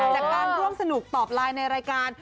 จากการร่วมสนุกตอบไลน์ในรายการ